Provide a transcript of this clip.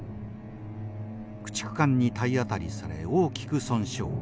駆逐艦に体当たりされ大きく損傷。